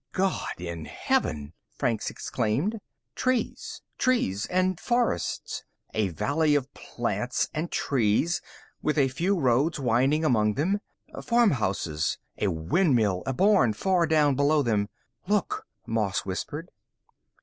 "God in heaven!" Franks exclaimed. Trees, trees and forests. A valley of plants and trees, with a few roads winding among them. Farmhouses. A windmill. A barn, far down below them. "Look!" Moss whispered.